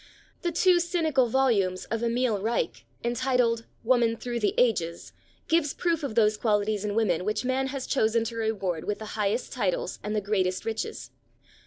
The two cynical volumes of Emil Reich, entitled, Woman through the Ages, give proof of those qualities in woman which man has chosen to reward with the highest titles and the greatest riches.